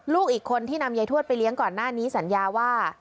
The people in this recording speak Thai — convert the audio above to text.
อีกคนที่นำยายทวดไปเลี้ยงก่อนหน้านี้สัญญาว่า